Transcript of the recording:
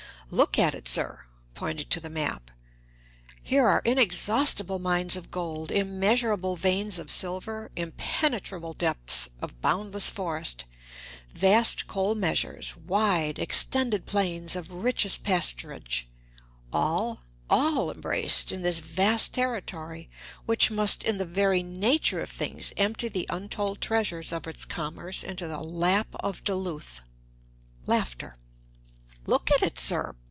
Look at it, sir (pointing to the map). Here are inexhaustible mines of gold, immeasurable veins of silver, impenetrable depths of boundless forest, vast coal measures, wide, extended plains of richest pasturage, all, all embraced in this vast territory, which must, in the very nature of things, empty the untold treasures of its commerce into the lap of Duluth. Look at it, sir!